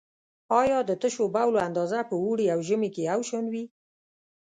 آیا د تشو بولو اندازه په اوړي او ژمي کې یو شان وي؟